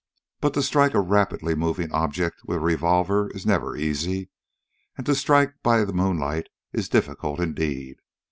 But to strike a rapidly moving object with a revolver is never easy, and to strike by the moonlight is difficult indeed.